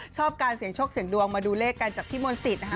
ชอบการเสี่ยงโชคเสียงดวงมาดูเลขกันจากพี่มนต์สิทธินะคะ